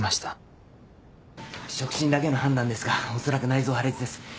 触診だけの判断ですが恐らく内臓破裂です。